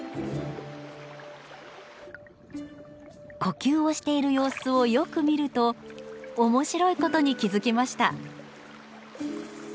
呼吸をしている様子をよく見ると面白いことに気付きました。